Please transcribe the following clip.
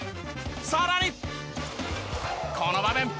さらにこの場面。